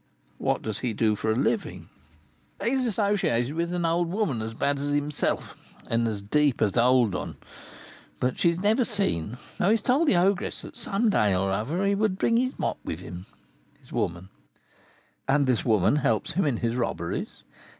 "What does he do for a living?" "He is associated with an old woman as bad as himself, and as deep as the 'old one;' but she is never seen, though he has told the ogress that some day or other he would bring his 'mot' (woman) with him." "And this women helps him in his robberies?"